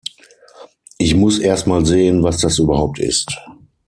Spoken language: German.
Ich muss erst mal sehen, was das überhaupt ist.